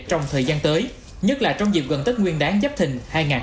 trong thời gian tới nhất là trong dịp gần tết nguyên đáng dắp thình hai nghìn hai mươi bốn